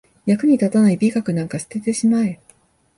役に立たない美学なんか捨ててしまえ